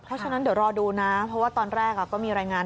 เพราะฉะนั้นเดี๋ยวรอดูนะเพราะว่าตอนแรกก็มีรายงาน